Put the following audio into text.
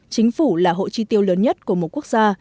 chính phủ là hộ chi tiêu lớn nhất của một quốc gia